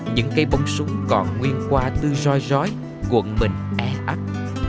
những cây bông súng còn nguyên qua tư roi roi quận mình ẻ ắc